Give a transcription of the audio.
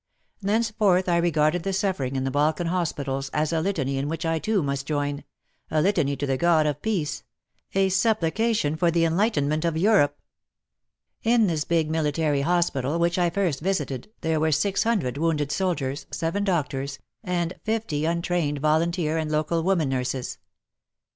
Thenceforth I regarded the suffering in the Balkan hospitals as a litany in which I too must join — a litany to the God of Peace — a supplication for the enlightenment of Europe. 22 WAR AND WOMEN In this big military hospital which I first visited, there were 600 wounded soldiers, 7 doctors, and 50 untrained volunteer and local women nurses.